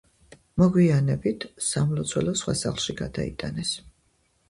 მოგვიანებით სამლოცველო სხვა სახლში გადაიტანეს.